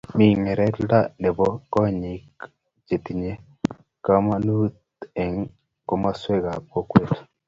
Mi ngengirindi nebo konyoik chetinye komonut eng komoswekab kokwet